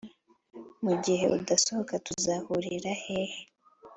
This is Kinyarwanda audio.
mugihe 'udasohoka tuzahurira hehe,